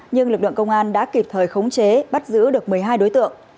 nhưng lực lượng công an đã kịp thời khống chế bắt giữ được một mươi hai đối tượng